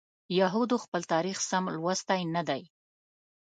یهودو خپل تاریخ سم لوستی نه دی.